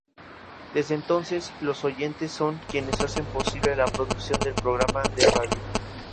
Desde entonces, los oyentes son quienes hacen posible la producción del programa de radio.